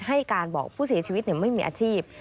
ให้การบอกผู้เสียชีวิตไม่มีอาชีพ